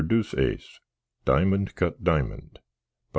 DEUCEACE DIMOND CUT DIMOND By W.